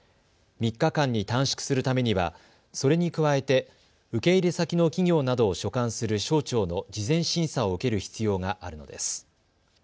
３日間に短縮するためにはそれに加えて受け入れ先の企業などを所管する省庁の事前審査を受ける必要があるのです。